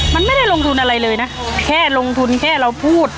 มันไม่ได้ลงทุนอะไรเลยนะแค่ลงทุนแค่เราพูด